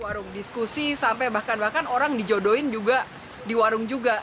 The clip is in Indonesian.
warung diskusi sampai bahkan bahkan orang dijodohin juga di warung juga